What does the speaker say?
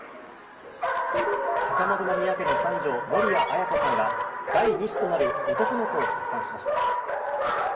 高円宮家の三女、守谷絢子さんが第２子となる男の子を出産しました。